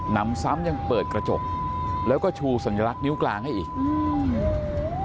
นำซ้ำยังเปิดกระจกแล้วก็ชูสัญลักษณ์นิ้วกลางให้อีกอืม